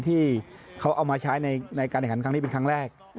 ที่เขาเอามาใช้ในการแข่งขันครั้งนี้เป็นครั้งแรก